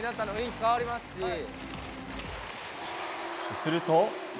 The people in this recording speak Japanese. すると。